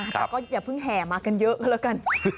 แต่ก็อย่าเพิ่งแห่มากันเยอะก็แล้วกัน